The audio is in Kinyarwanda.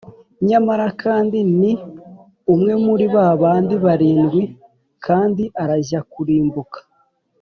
nyamara kandi ni umwe muri ba bandi barindwi kandi arajya kurimbuka.